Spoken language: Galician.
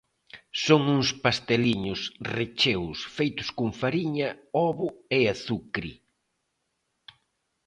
Son uns pasteliños recheos feitos con fariña, ovo e azucre.